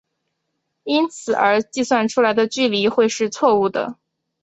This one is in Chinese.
因此而计算出来的距离会是错武的。